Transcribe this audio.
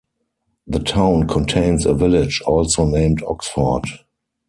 The town contains a village also named Oxford.